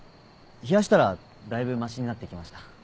冷やしたらだいぶましになってきました。